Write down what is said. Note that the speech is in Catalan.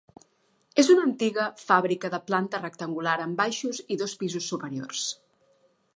És una antiga fàbrica de planta rectangular, amb baixos i dos pisos superiors.